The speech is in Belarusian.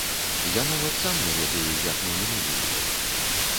Я нават сам не ведаю, як мы мінулі іх.